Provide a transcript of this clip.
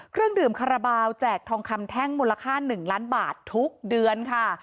เครื่องดื่มคาราบาลแจกทองคำแท่งมูลค่า๑ล้านบาททุกเดือนค่ะ